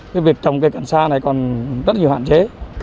cái việc trồng cây cần xa này còn rất nhiều hạn chế